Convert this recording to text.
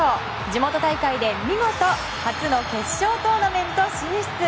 地元大会で見事初の決勝トーナメント進出。